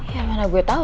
ya mana gue tau